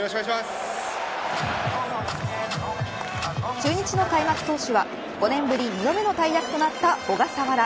中日の開幕投手は５年ぶり２度目の大役となった小笠原。